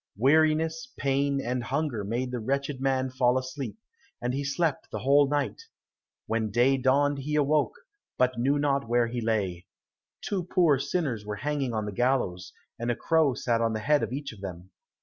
Weariness, pain, and hunger made the wretched man fall asleep, and he slept the whole night. When day dawned he awoke, but knew not where he lay. Two poor sinners were hanging on the gallows, and a crow sat on the head of each of them.